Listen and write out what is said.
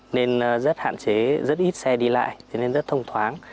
nên rất hạn chế rất ít xe đi lại cho nên rất thông thoáng